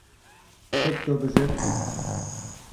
Sektor beschäftigt.